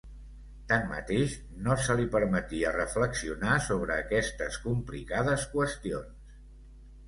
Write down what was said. Tanmateix, no se li permetia reflexionar sobre aquestes complicades qüestions.